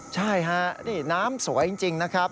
ใช่ฮะนี่น้ำสวยจริงนะครับ